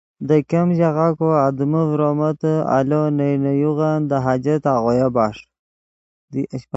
دے ګیم ژاغہ کو آدمے فرمتے آلو نئے نے یوغن دے حاجت آغویا بݰ